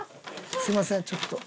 すみませんちょっと。